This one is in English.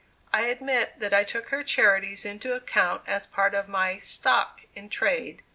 I admit that I took her charities into account as part of my "stock in trade."